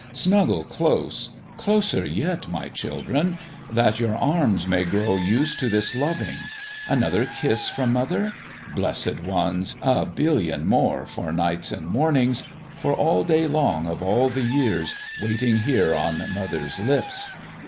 Snuggle close closer yet, my children that your arms may grow used to this loving. Another kiss 82 The WISTFUL HEART 83 from mother ? Blessed Ones ! A billion more, for nights and mornings, for all day long of all the years, waiting here on mother's lips.